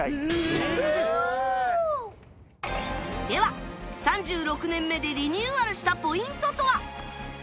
では３６年目でリニューアルしたポイントとは？